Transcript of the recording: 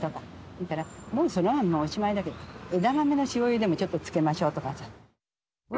それからもうそら豆もおしまいだけど枝豆の塩ゆでもちょっと付けましょうとかさ。